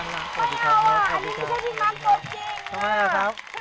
ไงวะอันนี้ไม่ใช่ที่มองตัวจริง